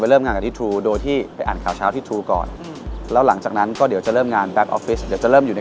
เพราะฉะนั้นลองมาลองเคสให้หน่อย